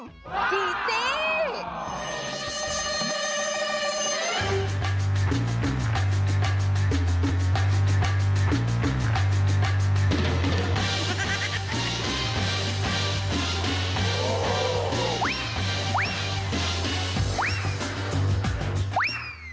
จี